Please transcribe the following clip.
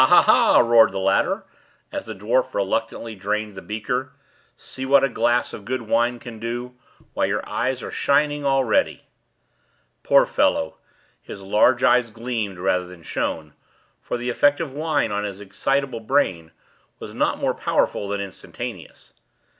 ha! ha!" roared the latter, as the dwarf reluctantly drained the beaker. "See what a glass of good wine can do! Why, your eyes are shining already!" Poor fellow! his large eyes gleamed, rather than shone; for the effect of wine on his excitable brain was not more powerful than instantaneous.